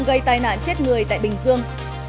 gây tai nạn chết người tại bình dương